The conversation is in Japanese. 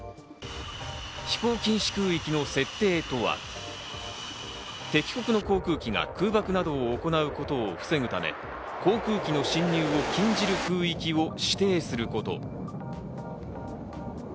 飛行禁止空域の設定とは、敵国の航空機が空爆などを行うことを防ぐため、航空機の侵入を禁じる空域を指定すること。